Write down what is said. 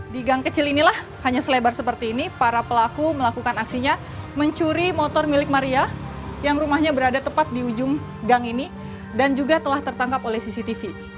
di gang kecil inilah hanya selebar seperti ini para pelaku melakukan aksinya mencuri motor milik maria yang rumahnya berada tepat di ujung gang ini dan juga telah tertangkap oleh cctv